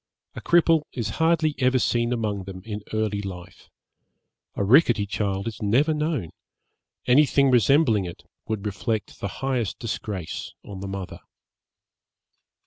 A cripple is hardly ever seen among them in early life. A rickety child is never known; anything resembling it would reflect the highest disgrace on the mother.